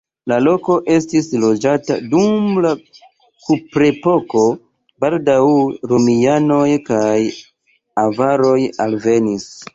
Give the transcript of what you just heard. La loko estis loĝata dum la kuprepoko, baldaŭe romianoj kaj avaroj alvenis.